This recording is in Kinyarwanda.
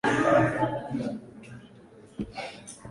ntabwo nkora ibintu nkibyo